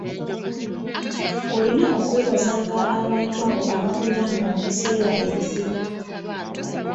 Olina okwebazanga abantu abo abakuyamba mu biseera ebizibu.